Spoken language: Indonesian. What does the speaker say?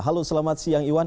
halo selamat siang